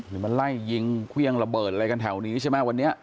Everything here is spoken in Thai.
หรือมาไล่ยิงเครื่องระเบิดอะไรกันแถวนี้ใช่ไหมวันนี้